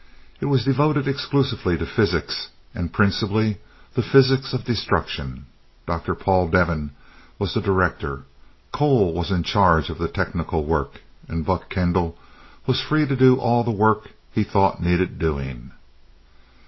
It was devoted exclusively to physics, and principally the physics of destruction. Dr. Paul Devin was the Director, Cole was in charge of the technical work, and Buck Kendall was free to do all the work he thought needed doing.